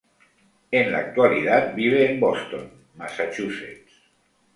En la actualidad vive en Boston, Massachusetts.